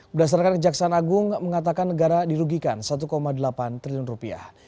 berdasarkan kejaksaan agung mengatakan negara dirugikan satu delapan triliun rupiah